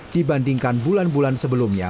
dibandingkan bulan bulan sebelumnya